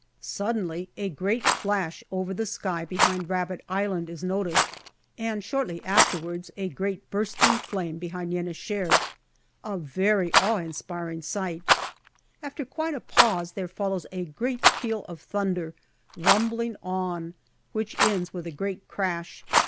Suddenly a great flash over the sky behind Rabbit Island is noticed, and shortly afterwards a great bursting flame behind Yen i Shehr. A very awe inspiring sight. After quite a pause, there follows a great peal of thunder rumbling on which ends with a great crash.